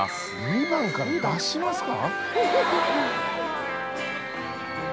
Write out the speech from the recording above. ２番から出しますか？